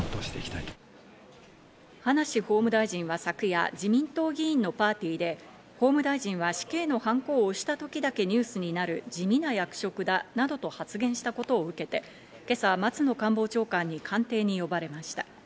葉梨法務大臣は昨夜、自民党議員のパーティーで、法務大臣は死刑のハンコを押したときだけニュースになる地味な役職だなどと発言したことを受けて、今朝、松野官房長官に官邸に呼ばれました。